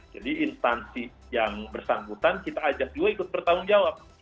jadi instansi yang bersangkutan kita ajak juga ikut bertanggung jawab